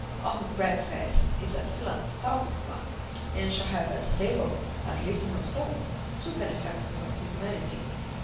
Our breakfast is a philanthropic one, and we shall have at table—at least, I hope so—two benefactors of humanity."